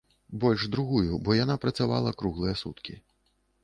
Больш другую, бо яна працавала круглыя суткі.